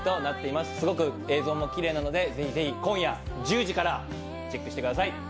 すごく映像もきれいなので、ぜひぜひ今夜１０時からチェックしてください。